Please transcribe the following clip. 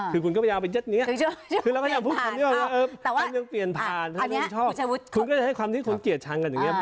คือกู้นก็พยายามจะเหย็บเงียบ